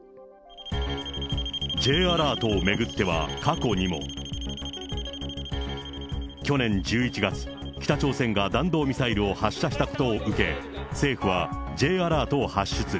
Ｊアラートを巡っては過去にも。去年１１月、北朝鮮が弾道ミサイルを発射したことを受け、政府はＪアラートを発出。